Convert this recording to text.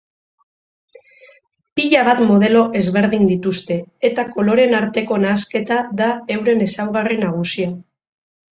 Pila bat modelo ezberdin dituzte eta koloreen arteko nahasketa da euren ezaugarri nagusia.